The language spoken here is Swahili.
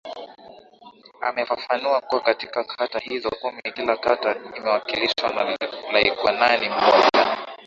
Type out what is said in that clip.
Amefafanua kuwa katika kata hizo kumi kila kata imewakilishwa na Laigwanani mmoja